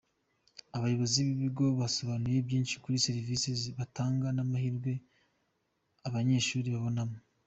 Abayobozi b'ibigo basobanuye byinshi kuri serivisi batanga n'amahirwe abanyeshuri babonamo.